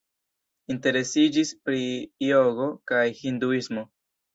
Interesiĝis pri jogo kaj hinduismo.